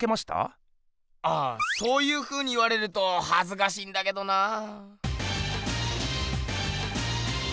あそういうふうに言われるとはずかしいんだけどなあ。